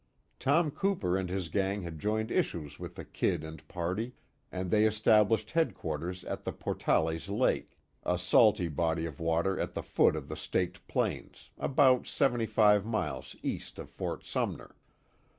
Tom Cooper and his gang had joined issues with the "Kid" and party, and they established headquarters at the Portales Lake a salty body of water at the foot of the Staked Plains, about seventy five miles east of Fort Sumner.